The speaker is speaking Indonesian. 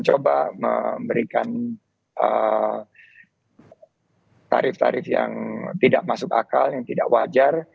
coba memberikan tarif tarif yang tidak masuk akal yang tidak wajar